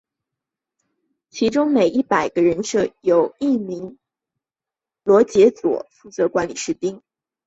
其中每一百人设有一名罗苴佐负责管理士兵。